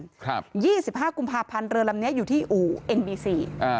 ครับยี่สิบห้ากุมภาพันธ์เรือลำเนี้ยอยู่ที่อู่เอ็นบีซีอ่า